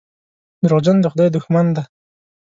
دروغجن د خدای دښمن دی.